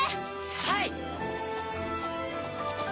はい！